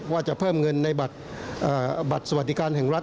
ว่าจะเพิ่มเงินในบัตรสวัสดิการแห่งรัฐ